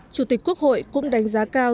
chủ tịch quốc hội cũng đánh giá cao